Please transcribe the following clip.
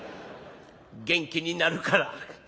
元気になるから。